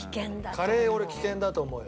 カレー俺危険だと思うよ。